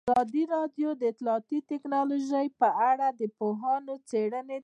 ازادي راډیو د اطلاعاتی تکنالوژي په اړه د پوهانو څېړنې تشریح کړې.